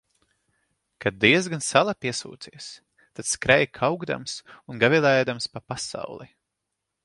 Kad diezgan sala piesūcies, tad skrej kaukdams un gavilēdams pa pasauli.